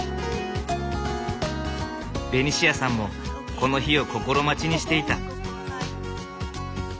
ベニシアさんもこの日を心待ちにしていた。